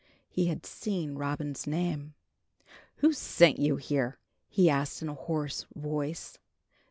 He had seen Robin's name. "Who sent you here?" he asked, in a hoarse voice.